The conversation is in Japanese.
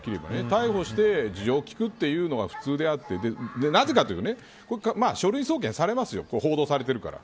逮捕して事情を聴くのが普通であってなぜかというと書類送検されますよ報道されてるから。